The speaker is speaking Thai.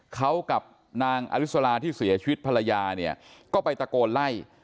เขากับนางอลิสลาที่เสียชีวิตภรรยาเนี่ยก็ไปตะโกนไล่